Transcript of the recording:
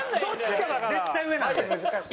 絶対上なんで。